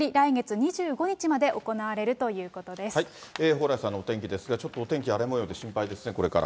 蓬莱さんのお天気ですが、ちょっとお天気荒れもようで、心配ですね、これから。